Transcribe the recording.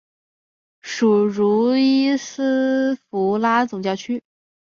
属茹伊斯迪福拉总教区。